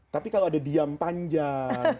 tapi kalau ada diam panjang